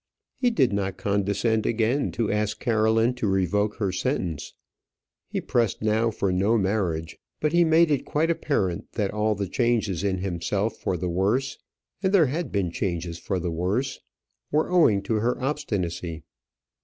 He did not condescend again to ask Caroline to revoke her sentence; he pressed now for no marriage; but he made it quite apparent that all the changes in himself for the worse and there had been changes for the worse were owing to her obstinacy.